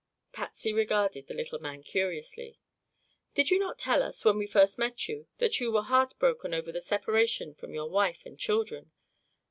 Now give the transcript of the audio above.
Patsy regarded the little man curiously. "Did you not tell us, when first we met you, that you were heart broken over the separation from your wife and children?"